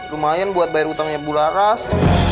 lumayan buat bayar utangnya bularas